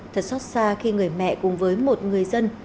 thật xót xa khi người mẹ cùng với một người dân